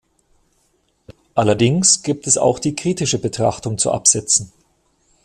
Allerdings gibt es auch die kritische Betrachtung zu Absätzen.